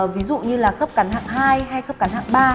ví dụ như là khớp cắn hạng hai hay khớp cắn hạng ba